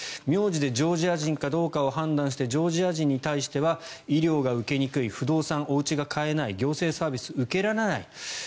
名字でジョージア人かどうかを判断してジョージア人に対しては医療が受けにくい不動産、おうちが買いにくい行政サービスが受けられない。